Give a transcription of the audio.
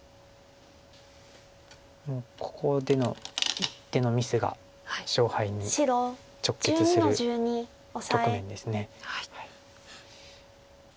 もうここでの一手のミスが勝敗に直結する局面です。